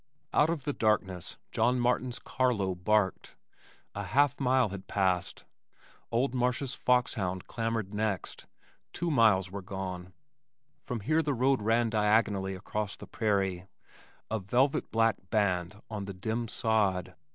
Out of the darkness John Martin's Carlo barked. A half mile had passed. Old Marsh's fox hound clamored next. Two miles were gone. From here the road ran diagonally across the prairie, a velvet black band on the dim sod.